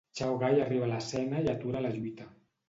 Chao Gai arriba a l'escena i atura la lluita.